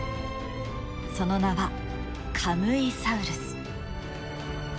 その名はカムイサウルス。